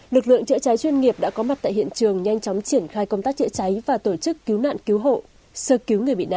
lực lượng chữa cháy chuyên nghiệp đã có mặt tại hiện trường nhanh chóng triển khai công tác chữa cháy và tổ chức cứu nạn cứu hộ sơ cứu người bị nạn